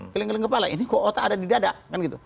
keling keling kepala ini kok otak ada di dada